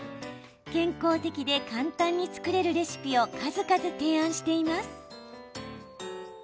健康的で簡単に作れるレシピを数々提案しています。